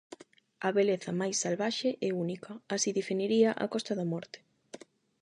A beleza máis salvaxe e única, así definiría a Costa da Morte.